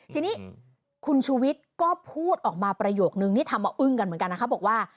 ทีนี้คุณชูวิทย์ก็พูดออกมาประโยคนึงที่ทำมาอึ้งกันเหมือนกันนะคะบอกว่า